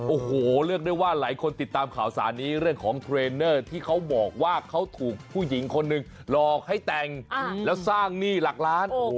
โอ้โหเรียกได้ว่าหลายคนติดตามข่าวสารนี้เรื่องของเทรนเนอร์ที่เขาบอกว่าเขาถูกผู้หญิงคนหนึ่งหลอกให้แต่งแล้วสร้างหนี้หลักล้าน